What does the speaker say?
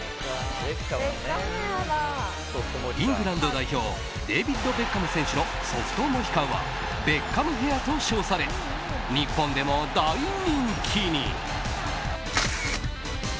イングランド代表デービッド・ベッカム選手のソフトモヒカンはベッカムヘアと称され日本でも大人気に。